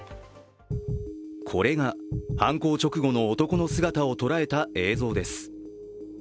これが犯行直後の男の姿を捉えた映像です。